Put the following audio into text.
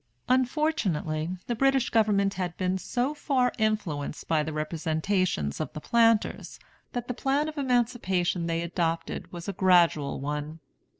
Unfortunately the British government had been so far influenced by the representations of the planters, that the plan of emancipation they adopted was a gradual one.